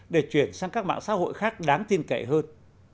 để chuyển sang các mạng xã hội khác đáng tin cậy hơn